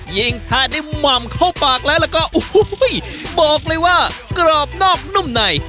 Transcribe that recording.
ยิ่งถ้าได้หม่ำเข้าปากแล้วแล้วก็โอ้โหบอกเลยว่ากรอบนอกนุ่มใน